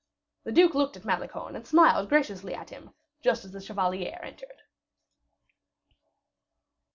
The duke looked at Malicorne, and smiled graciously at him, just as the chevalier entered.